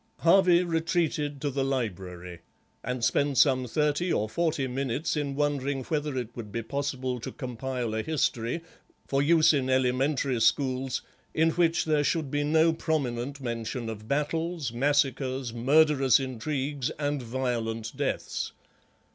Harvey retreated to the library and spent some thirty or forty minutes in wondering whether it would be possible to compile a history, for use in elementary schools, in which there should be no prominent mention of battles, massacres, murderous intrigues, and violent deaths.